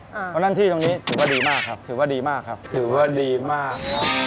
เพราะฉะนั้นที่ตรงนี้ถือว่าดีมากครับถือว่าดีมากครับถือว่าดีมาก